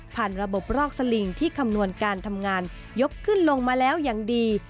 ระบบรอกสลิงที่คำนวณการทำงานยกขึ้นลงมาแล้วอย่างดี